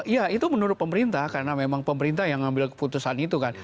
ya itu menurut pemerintah karena memang pemerintah yang mengambil keputusan itu kan